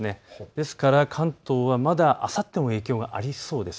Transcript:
ですから関東はまだあさっても影響がありそうです。